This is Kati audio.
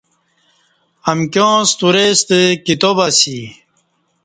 امکیاں ستورئی ستہ کتاب اسی